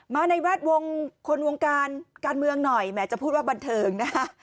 มาในแวดวงคนวงการการเมืองหน่อยแม้จะพูดว่าบันเทิงนะคะ